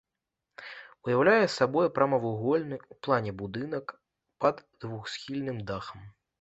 Уяўляе сабой прамавугольны ў плане будынак пад двухсхільным дахам.